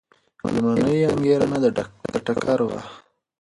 لومړنۍ انګېرنه د ټکر وه.